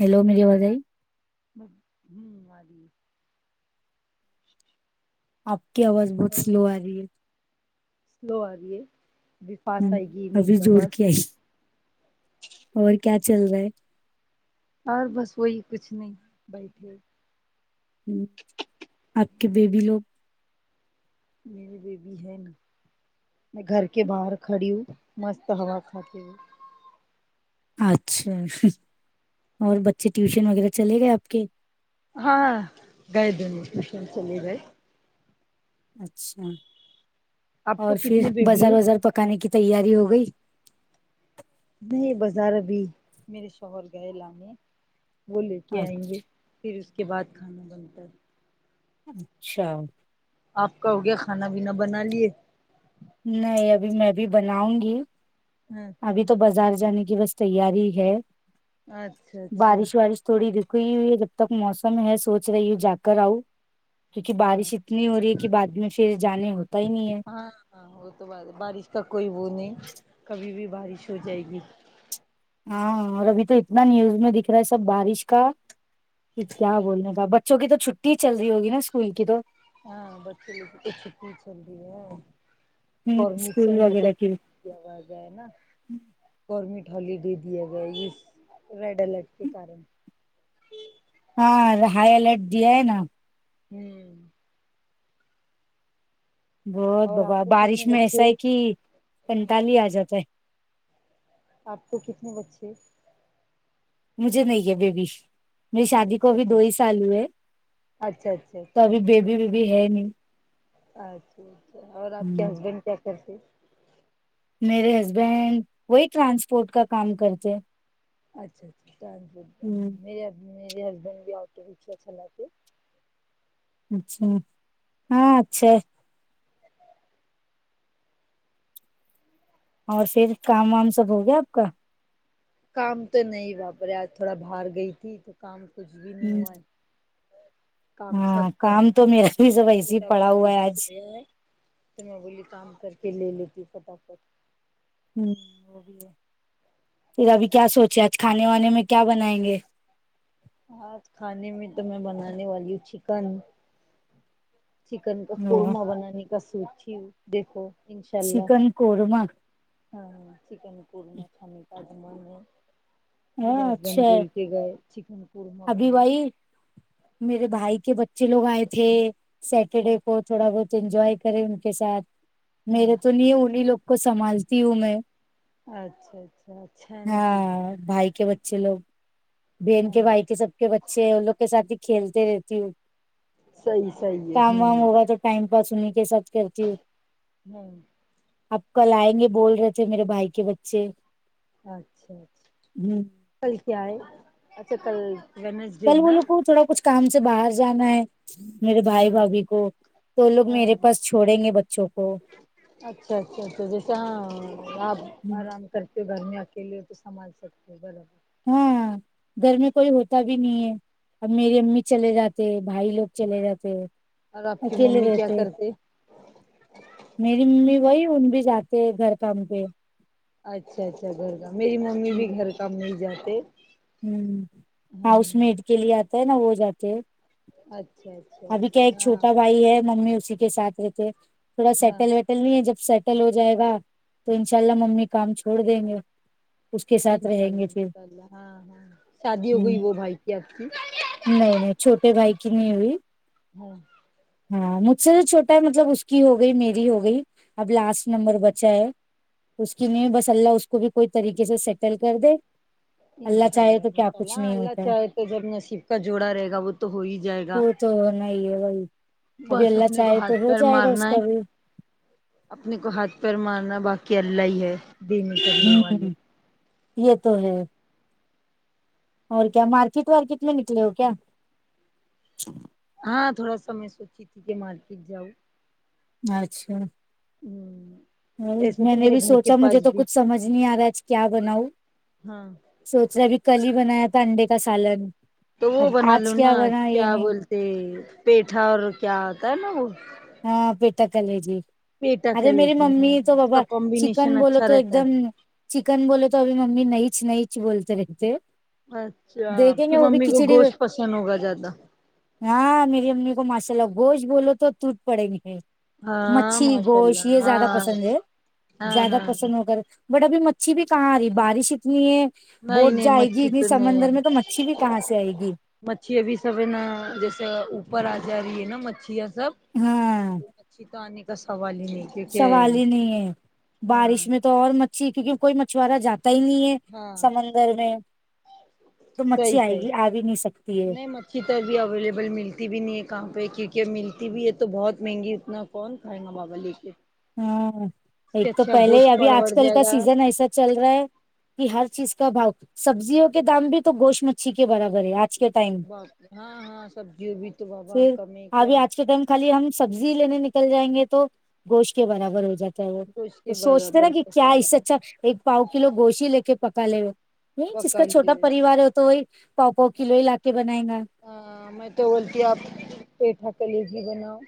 Hello میری آواز آئی ہم آرہی ہے آپ کی آواز بہت اور سلو آ رہی ہے سلو ارہی ہے جی ابھی زورکی آئی اور کیا چل رہا ہے اور بس وہی کچھ نہیں بیٹھے ہ آپ کے بیبی لوگ میری بیبی ہے نہ میں گھر کے باہر کھڑی ہوں مست ہوا کھاتے ہوئے اچھا ہ اور بچے ٹیوشن وغیرہ چلے گئے آپ کے ہاں گئے دونوں ٹیونشن چلے گئی اچھا آپ کو اور پھر کتنی بیبی بازار ہے وزار پکانے کی تیاری ہو گئی نہیں بازار ابھی میرے شوہر گئے لانے وہ لے کے آئیں گے پھر اس کے بعد کھانا بنتا ہے اچھا آپ کا ہو گیا کھانا پینا بنا لیے نہیں ابھی میں بھی بناؤں گی ھمم ابھی تو بازار جانے کی بس تیاری ہے اچھا اچھا بارش وارش تھوڑی رکی ہوئی ہے جب تک موسم ہے سوچ رہی ہوں جا کر آؤں کیونکہ ہاں بارش اتنی ہو رہی ہے کہ بعد میں پھر جانے ہوتا ہی نہیں ہے ہاں ہاں وہ تو بات بارش کا کوئی وہ نہیں کبھی بھی بارش ہو جائے گی ہاں اور ابھی تو اتنا نیوز میں دکھ رہا ہے سب بارش کا پھر کیا بولنے کا بچوں کی تو چھٹی چل رہی ہوگی نا اسکول کی تو ہاں بچے لوگ کو چھٹی چل رہی ہے ہوں اور مجھ سے اسکول ہم لوگ وغیرہ کی یہ آواز ہے نا گورنمنٹ ہالیڈے دیا ہوا ہے اس ریڈ الرٹ کے کارن ہاں ہائی الرٹ دیا ہے نا ہوں بہت اور بابا آپ کو کتنے بارش میں ایسا بچے ہے کہ کنتال ہی آ جاتا ہے آپ کو کتنے بچے مجھے نہیں ہے بیبی میری شادی کو اچھا ابھی جی دو ہی سال ہوئے اچھا اچھا تو اچھا ابھی بیبی بیبی ہے نہیں اچھا اچھا اور آپ کے ہ ہسبینڈ کیا کرتے میرے ہسبینڈ وہی ٹرانسپورٹ کا کام کرتے اچھا اچھا ٹرانسپورٹ ہوں مے میرے ہسبینڈ بھی آٹو رکشہ چلاتے اچھا ہاں اچھا ہے اور پھر کام وام سب ہو گیا آپ کا کام تو نہیں باپرے آج تھوڑا باہر گئی تھی تو کام کچھ بھی نہیں ہوں ہوا کام سب ہاں کام کرنا تو ہے میرا ابھی سب ویسے ہی چھوٹا پڑا والا ہوا ہے بیبی آج سویا ہے تو میں بولی کام کر کے لے لیتی فٹافٹ ہ وہ بھی ہے پھر ابھی کیا سوچے آج کھانے وانے میں کیا بنائیں گے ہاں کھانے میں تو میں بنانے والی چکن چکن کا وہ قورمہ بنانے کا سوچی ہو دیکھو انشاء اللہ کورمہ ہاں چکن قورمہ کھانے کا بنانا ہے مجھے ہاں ہسبینڈ اچھا ہے بول کے گئے چکن قورمہ ابھی بنا بھائی میرے بھائی کے بچے لوگ آئے تھے ہاں سیٹرڈے کو تھوڑا بہت انجوائے کرے ان کے ساتھ ہاں میرے تو نہیں ہے انہیں لوگ کو سنبھالتی ہوں میں اچھا اچھا اچھا ہے نا بائی کے بچ بچے لوگ بہن کے ہاں بھائی کے سب کے بچے ہیں ان لوگ کے ساتھ ہی کھیلتے رہتی ہوں صحیح صحیح ہے کام وام ہمم ہوگا تو ٹائم پاس انہیں کے ساتھ کرتی ہو ہوں آپ کل آئیں گے بول رہے تھے میرے بھائی کے بچے اچھا اچھا ہ کل کیا ہے اچھا کل وینسڈے کل وہ نا لو کو تھوڑا کچھ کام سے باہر جانا ہے میرے بھائی ہاں بھبھی کو تو لوگ ہاں میرے پاس چھوڑیں گے بچوں کو اچھا اچھا اچھا جیسے ہاں آپ آرام سے کرتے ہو گھر میں اکیلے ہو تو سنبھال سکتے ہو برابر ہاں گھر میں کوئی ہوتا بھی نہیں ہے اب میری امی چلے جاتے بھائی لوگ چلے جاتے اور آپ کی اکیلے ممی کیا رہتے کرتے میری ممی وہی ان بھی جاتے گھر کام پہ اچھا اچھا گھر کا میری ممی بھی گھر کام نہیں جاتے ہ ہاں ہاؤس میٹ کے لیے آتا ہے نا وہ جاتے ہیں اچھا اچھا ابھی کیا ایک اچھا ہاں چھوٹا بھائی ہے ممی اسی کے ساتھ رہتے تھوڑا ہاں سیٹل ویٹ ل نہیں ہے جب سیٹل ہو جائے گا تو ان شاء اللہ ممی کام چھوڑ دیں گے اس کے ساتھ انشاء رہیں اللہ گے پھر انشاء ہاں ہاں شادی ہو ہ گئی وہ بھائی کی آپ کی نہیں نہیں چھوٹے بھائی کی نہیں ہوئی ہاں ہاں مجھ سے جو چھوٹا ہے مطلب اس کی ہو گئی میری ہو گئی اب لاسٹ نمبر بچہ ہے اس کی نہیں بس اللہ اس کو بھی کوئی طریقے سے سیٹل کر دے انشاء چاہے اللہ تو کیا انشاء کچھ اللہ نہیں اللہ ہوتا ہے چاہے تو جب نصیب کا جوڑا رہے گا وہ تو ہو ہی جائے گا وہ تو نہیں ہے وہی ابھی بس اللہ اپنے کو چاہے تو ہاتھ ہو پیر جائے گا اس مارنا ہے کا بھی اپنے کو ہاتھ پ مارنا باقی اللہ ہی ہے دینے کرنے والے ہوں یہ تو ہے اور کیا مارکیٹ وارکیٹ میں نکلے ہو کیا ہاں تھوڑا سا میں سوچی تھی کہ مارکیٹ جاؤ اچھا ہوں ایسے میں تو نے میرے بھی گھر کے سوچا مجھے پاس تو بھی کچھ سمجھ نہیں آ رہا ہے آج کیا بناؤ ہاں سوچ رہے ابھی کل ہی بنایا تھا انڈے کا سالن تو وہ اب بنا لو آج کیا نا بنا یہ کیا نہیں بولتے پیٹھا اور کیا ہوتا ہے نا وہ ہاں پیٹ کلے جی پیٹا ارے کر میری لیتی ممی ہیں تو اس بابا کا چکن کمبینیشن بولو اچھا تو ایک رہتا دم چکن بولے تو ابھی مممی نہیںچ نہیںچ بولتے رہتے اچھا آپ دیکھیں کی گے وہ بھی ممی کو کھچڑی گوشت پسند ہوگا زیادہ ہاں میری امی کو ماشاء اللہ گوشت بولو تو ٹوٹ پڑیں گے ہاں مچھی ماشاء گوشت یہ اللہ زیادہ ہاں پسند ہے ہاں زیادہ ہاں پسند ہو کر بٹ ابھی مچھی بھی کہاں آ رہی ہے بارش اتنی ہے نہیں بوٹ نہیں جائے گی مچھی اتنی تو سمندر میں تو مچھھی بھی کہاں سے آئے گی مچھھی ا بھیھی سب ہے نا جیسے اوپر آ جا رہی ہے نا مچھیاں سب ہاں مچھی تو آنے کا سوال ہی نہیں کیونکہ سوال ہی نہیں ہے ہاں بارش میں تو اور مچھی کیونکہ کوئی مچھورا جاتا ہی نہیں ہے ہاں سمندر میں تو مچھی آئے گی آ بھی نہیں سکتی ہے کدھر تر بھی اویلیبل ملتی بھی نہیں ہے کہاں پہ کیونکہ اب ملتی بھی ہے تو بہت مہنگی اتنا کون کھائیں گا بابا لے کے ہاں سے ایک تو اچھا پہلے ہی گوشت ابھی آج پڑوڑ کل جائے کا گا سیزن ایسا چل رہا ہے کہ ہر چیز کا بھاؤ سبزیوں کے دام بھی تو گوش مچھی کے برابر ہے آ ہاں ہاں سبزی بھی تو بابا پھر کم کیا ابھی آج کے ٹائم خالی ہم سبزی لینے نکل جائیں گے تو گوشت کے برابر ہو جاتا گوشت تو کے سوچتے نا برابر کہ کیا پیسے اس سے دیتے اچھا ایک پاؤ کلو گوشی لے کے پکا لیے ہو نہیں جس کا پکا چھوٹا لیے پریوار ہے تو وہی پاؤ پاؤ کلوئی لا کے بنائےیں گا ہاں میں تو بولتی آپ پیٹھا کے کلیجی بناؤ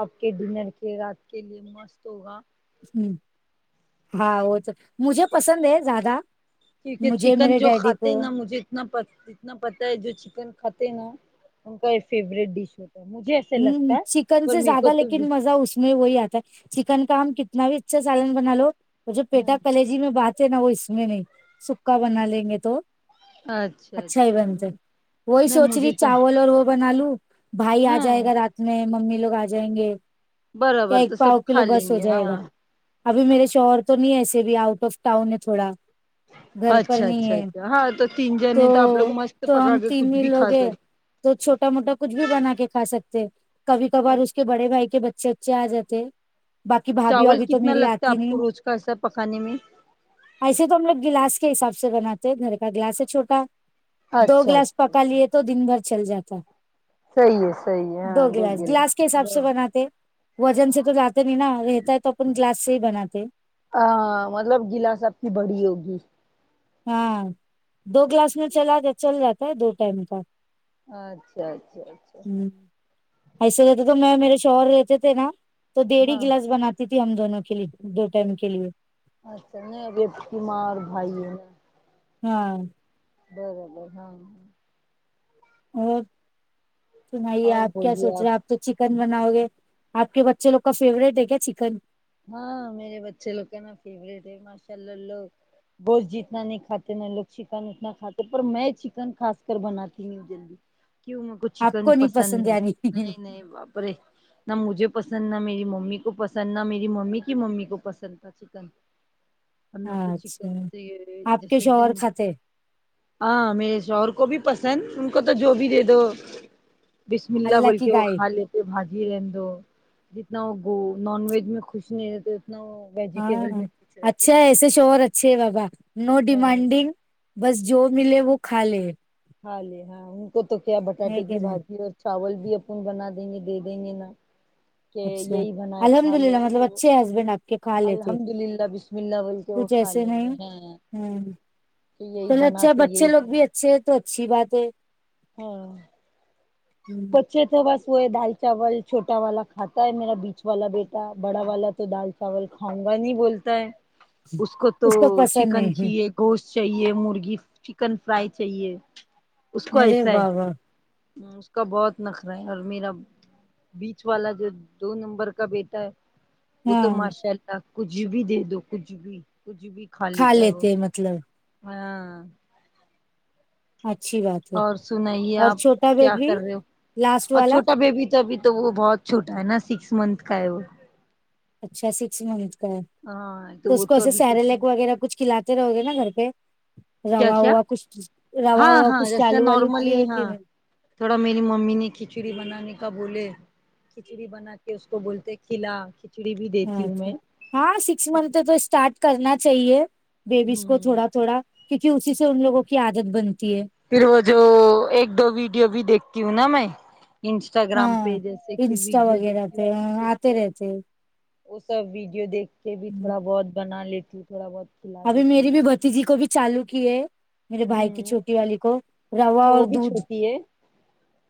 آپ کے ڈنر کے رات کے لیے مست ہوگا ہ ہاں وہ تو مجھے پسند ہے زیادہ کیونکہ مجھے چکن میرے جو ڈیڈی کھاتے ہیں کو نا مجھے اتنا اتنا پت ہے جو چکن کھاتے ہیں نا ان کا فیوریٹ ڈش ہوتا ہے مجھے ایسے ہ لگتا ہے چکن اور سے میرے کو زیادہ تو لیکن مزہ اس میں وہی آتا ہے چکن کا ہم کتنا بھی اچھا سالن بنا لو وہ جو پیٹا ہاں کالے جی میں بات ہے نا وہ اس میں نہیں سکا بنا لیں گے تو اچھا ہی بنتے وہی نہیں سوچ مجھے رہی تو چاول اور وہ بنا لوں بھائی آج ہاں جائے گا رات میں ممی لوگ آ جائیں گے کیا برابر تو ایک پاؤ سب کلو کھا بس لیں ہو گے ہاں جائے گا ابھی میرے شوہر تو نہیں ہے ایسے بھی آؤٹ آف ٹاؤن ہے تھوڑا گھر پر اچھا نہیں اچھا ہے اچھا ہاں تو تین تو جنے آپ لوگ مست تو پکا ہم کے تین کچھ ہی بھی لوگ کھا ہیں سکتے تو چھوٹا موٹا کچھ بھی بنا کے کھا سکتے کبھی کبھار اس کے بڑے بھائی کے بچے بچے آ جاتے باقی بھابھی چاول ابھی تو کتنا میری لگتا ہے آتی آپ کو نہیں روز کا ایسا پکانے میں ایسے تو ہم لوگ گلاس کے حساب سے بناتے میرے پاس گلاس ہے چھوٹا دو اچھا گلاس اچھا پکا لیے تو دن بھر چل جاتا صحیح ہے صحی ہے دو ہاں گلاس گلاس کے حساب گلا سے بناتے وزن سے تو لاتے نہیں نا رہتا ہے تو اپن گلاس سے ہی بناتے ہاں مطلب گلاس سب کی بڑی ہوگی ہاں دو کلاس میں چلا جیا چل جاتا ہے دو ٹائم کا اچھا اچھا اچھا ہ ایسے رہتے تو میں میرے شوہر رہتے تھے نا تو ڈیڑھ ہی ہاں گلاس بناتے دیدی ہم دونوں کےلی دو ٹائم کے لیے اچھا نہیں ادر بیمار بھائی ہے ہاں دے اور سنائیے اور آپ کیا بولیے سوچ رہے آپ تو چکن بناؤ گے آپ کے بچے لوگ کا فیوریٹ ہے کیا چکن ہاں میرے بچے لوگ کا نا فیوریٹ ہے ماشاء اللہ لوگ گوشت جتنا نہیں کھاتے میں لوگ چکن اتنا کھاتے پر میں چکن خاص کر بناتی ہوں جلدی کیوں اپ کو چکن پسند نہیں نہیں نہیں نہ مجھے پسند نہ میری ممی کو پسند نہ میری میری ممی کی ممی کو پسند تھا چکن ہم لوگ کو اچھا چکن آپ کے جیسے ایک دم شوہر کھاتے ہاں میرے شوہر کو بھی پسند ان کو تو جو بھی دے دو بسم اللہ بول کی کے وہ گائے کھا لیتے بھاجی رہ دو جتنا وہ نونویگ میں کچھ نہیں ہے تو اتنا وہ ویجیٹیبل ہاں میں خوش رہتے اچھا ہے ایسے شوہر اچھے ہے بابا نو ہاں ڈیمانڈنگ بس جو ملے وہ کھا لے ہاں لے ہاں ان کو تو کیا بٹاٹے ہے کی کہ نہیں بھاجی اور چاول بھی اپن بنا دیں گے دے دیں گے نا کہ اچھا یہی بنائے الحمد کھا لو للہ مطلب تو اچھے ہسبینڈ آپ کے کھا لیتے الحمد للہ بسم اللہ بول کہ وہ کھا لیں گے ہاں ہوں تو یہی چلو بنا اچھا تو بچے یہی لوگ بھی بنا اچھے ہیں تو اچھی بات ہے ہاں ہوں، اچھے تو بس وہ ہے دال چاول چھوٹا والا کھاتا ہے میرا بیچ والا بیٹا بڑا والا تو دال چاول کھاؤں گا نہیں بولتا ہے اس کو تو چکن چاہیے گوشت چاہیے مرغی چکن فرائی چاہیے اس کو ارے ایسا بابا اس کا بہت نخرہ ہے اور میرا بیچ والا جو دو نمبر کا بیٹا ہے وہ تو ہاں ماشاء اللہ کچھ بھی دے دو کچھ بھی کچھ بھی کھا لیتا ہے وہ لیتے ہیں، مطلب ہاں اچھی بات ہے اور سنائیے اور آپ چھوٹا بیٹ کیا بھی کر رہے ہو لاسٹ اور والا چھوٹا بیبی تو ابھی تو وہ بہت چھوٹا ہے نا سکس منتھ کا ہے وہ اچھا سکس منتھ کا ہاں تو اس وہ کو ایسے ابھی کچھ سیرلیکس نہیں وغیرہ کچھ کھلاتے رہو گے نا گھر پہ کیا روا کیا ہوا کچھ روا ہاں ہوا ہاں کچھ جیسے چالو والو نارملی کیے کی ہاں نہیں تھوڑا میری ممی نے کھچڑی بنانے کا بولے کھچڑی بنا کے اس کو بولتے کھلا کھچڑی بھی دیتی ہوں اچھا میں ہاں سکس منتھ تو اسٹارٹ کرنا چاہیے ببس کو ہوں تھوڑا تھوڑا کیونکہ اسی سے ان لوگوں کی عادت بنتی ہے پھر وہ جو ایک دو ویڈیو بھی دیکھتی ہوں نا میں انسٹاگرام ہاں پیجز سے کہ انسٹا ویڈیو وغیرہ دیکھی اور پہ ہاں آتے پہ رہتے ہیں۔ وہ سب ویڈیو دیکھ کے بھی تھوڑا بہت بنا لیتی ہوں تھوڑا بہت کھلا ابھی دیتی میری ہوں بھی بھتیجی کو بھی چالو کیے میرے بھائی کی ہوں چھوٹی والی کو روا اچھا اور وہ بھی دودھ چھوٹی ہے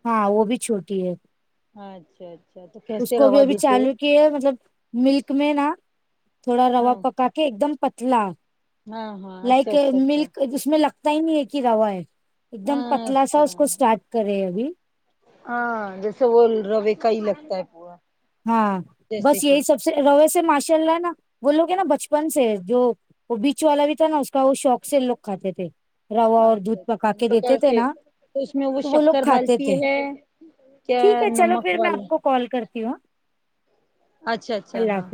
ہاں وہ بھی چھوٹی ہے اچھا اچھا تو اس کیسے کو بھی روا ابھی دیتے چالو کیا ہے مطلب ملک میں نا تھوڑا روا ہاں پکا کے ایک دم پتلا ہاں ہاں اچھا لائک اچھا ملک جس میں لگتا پتا ہی نہیں ہے کہ روا ہے ایک اچھا دم پتلا سا اس کو اچھا اسٹارٹ کرے ابھی ہاں جیسے وہ روے کا ہی لگتا ہے پورا ہاں جیسے بس کہ یہی سب سے روے سے ماشاء اللہ ہے نا وہ لوگ ہیں نا بچپن سے جو وہ بیچ والا بھی تھا نا اس کا وہ شوق سے لوگ کھاتے تھے روا اور اچھا دودھ پکا کے اچھا تو دیتے تھے نا اس میں تو وہ لوگ شکر کھاتے ڈالتی تھے ہے کیا ٹھیک ہے چلو نمک پھر میں آپ والا کو کال کرتی ہوں ہاں اچھا اچھا ہاں